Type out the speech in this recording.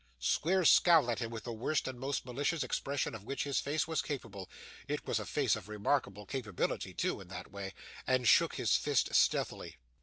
Squeers scowled at him with the worst and most malicious expression of which his face was capable it was a face of remarkable capability, too, in that way and shook his fist stealthily.